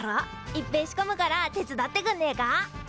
いっぺえ仕込むから手伝ってくんねえか？